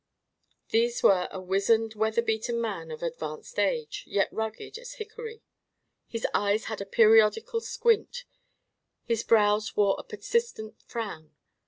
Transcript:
These were a wizened, weather beaten man of advanced age, yet rugged as hickory. His eyes had a periodical squint; his brows wore a persistent frown.